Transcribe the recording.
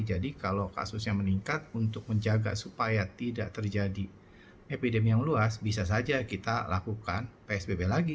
jadi kalau kasusnya meningkat untuk menjaga supaya tidak terjadi epidemi yang luas bisa saja kita lakukan psbb lagi